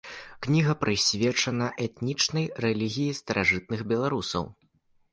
Кніга прысвечана этнічнай рэлігіі старажытных беларусаў.